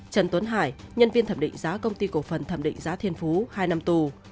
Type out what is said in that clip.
trần tuấn hải nhân viên thẩm định giá công ty cổ phần thẩm định giá thiên phú hai năm tù